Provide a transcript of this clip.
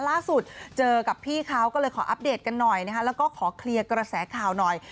ล่าสุดเจอกับพี่เขาก็เลยขออัปเดตกันหน่อยนะคะแล้วก็ขอเคลียร์กระแสข่าวหน่อย